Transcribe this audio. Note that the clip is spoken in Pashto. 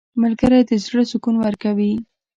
• ملګری د زړه سکون ورکوي.